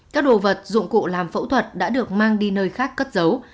các đồ vật dụng cụ làm phẫu thuật đã được mang đi nơi khác cất dấu